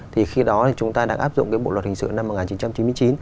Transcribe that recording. thì khi đó chúng ta đã áp dụng bộ luật hình sự năm một nghìn chín trăm chín mươi chín